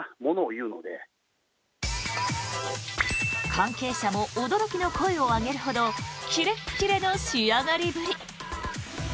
関係者も驚きの声を上げるほどキレッキレの仕上がりぶり。